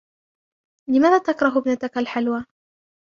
لماذا تكره ابنتك الحلوى؟